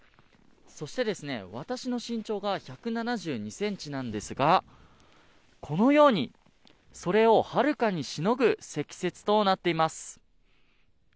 そして、私の身長が１７２ｃｍなんですがこのようにそれをはるかにしのぐ積雪となっています。